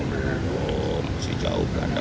belom belum masih jauh berantem